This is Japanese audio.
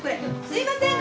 すいません。